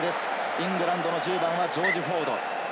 イングランドの１０番はジョージ・フォード。